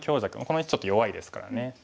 この石ちょっと弱いですからね。